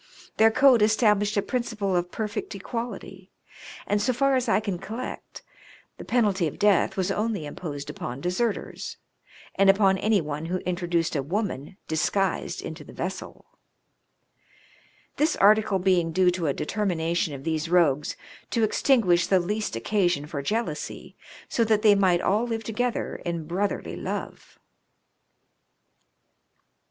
Their code established a principle of perfect equality, and, so far as I can collect, the penalty of death was only imposed upon deserters, and upon any one who introduced a woma,n disguised into the vessel ; this article being due to a determination of these rogues to extinguish the least occasion for jealousy, so that they might all live together in brotherly love.